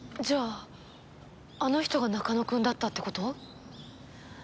じゃああの人が中野くんだったって事？